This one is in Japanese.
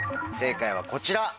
正解はこちら。